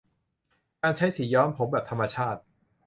การใช้สีย้อมผมแบบธรรมชาติ